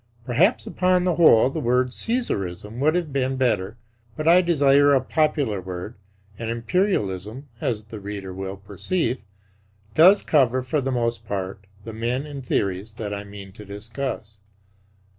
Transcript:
Perhaps, upon the whole, the word "Caesarism" would have been better; but I desire a popular word; and Imperialism (as the reader will perceive) does cover for the most part the men and theories that I mean to discuss.